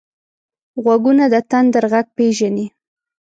غوږونه د تندر غږ پېژني